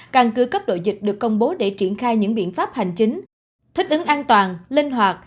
căn cứ cấp đội dịch được công bố để triển khai những biện pháp hành chính thích ứng an toàn linh hoạt